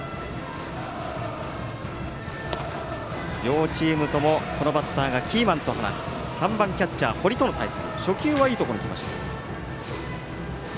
両チームともこのバッターがキーマンと話す３番キャッチャー堀との対戦。